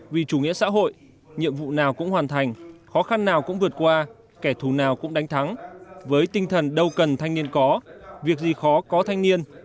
vì chủ nghĩa xã hội nhiệm vụ nào cũng hoàn thành khó khăn nào cũng vượt qua kẻ thù nào cũng đánh thắng với tinh thần đâu cần thanh niên có việc gì khó có thanh niên